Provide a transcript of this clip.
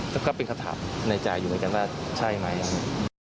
แล้วก็เป็นคำถามในใจอยู่ในการรักใช่ไหม